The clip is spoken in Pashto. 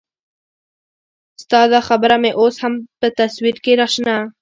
ستا دا خبره مې اوس هم په تصور کې راشنه